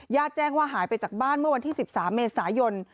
ญาติแจ้งว่าหายไปจากบ้านเมื่อวันที่สิบสามเมษายน